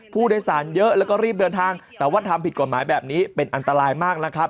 ผู้โดยสารเยอะแล้วก็รีบเดินทางแต่ว่าทำผิดกฎหมายแบบนี้เป็นอันตรายมากนะครับ